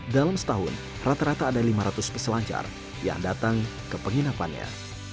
dalam setahun rata rata ada lima ratus peselancar yang datang ke penginapannya